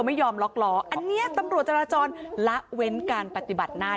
ไม่ยอมล็อกล้ออันนี้ตำรวจจราจรละเว้นการปฏิบัติหน้า